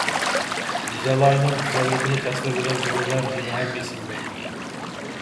گۈزەلئاينىڭ گۈزەللىكىنى تەسۋىرلىگەن جۈملىلەر ھېلىھەم ئېسىمدە.